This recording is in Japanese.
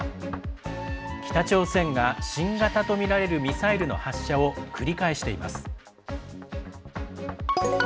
北朝鮮が新型とみられるミサイルの発射を繰り返しています。